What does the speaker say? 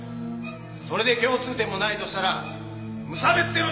それで共通点もないとしたら無差別テロじゃないか！